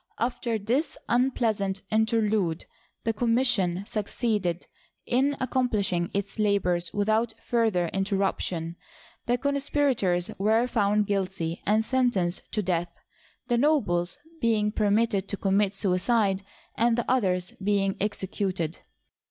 After this unpleasant interlude, the commission succeeded in accom plishing its labors without funher interruption. The con spirators were found guilty and sentenced to death, the nobles being permitted to commit suicide, and the others being executed.